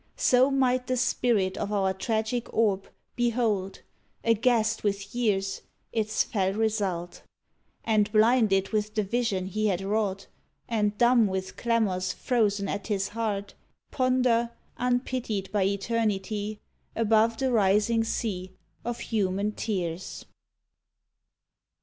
So might the Spirit of our tragic orb Behold, aghast with years, its fell result. And, blinded with the vision he had wrought. And dumb with clamors frozen at his heart, Ponder, unpitied by Eternity, Above the rising sea of human tears.